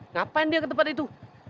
kapan dia ke tempat itu